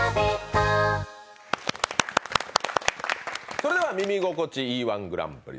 それでは「耳心地いい−１グランプリ」